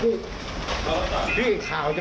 เขียนเกินเลยยังไงพี่